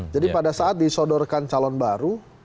jadi pada saat disodorkan calon baru